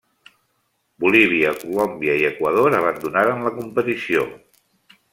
Bolívia, Colòmbia, i Equador abandonaren la competició.